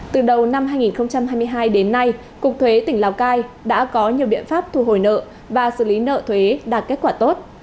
từ đầu năm hai nghìn hai mươi hai đến nay cục thuế tỉnh lào cai đã có nhiều biện pháp thu hồi nợ và xử lý nợ thuế đạt kết quả tốt